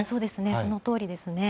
そのとおりですね。